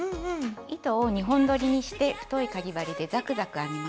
糸を２本どりにして太いかぎ針でザクザク編みます。